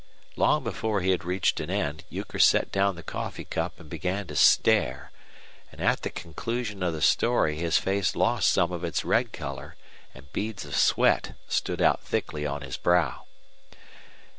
Long before he had reached an end Euchre set down the coffee cup and began to stare, and at the conclusion of the story his face lost some of its red color and beads of sweat stood out thickly on his brow.